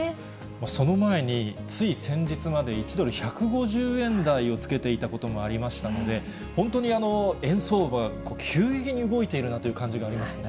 その前に、つい先日まで１ドル１５０円台をつけていたこともありましたので、本当に円相場が急激に動いているなという感じがありますね。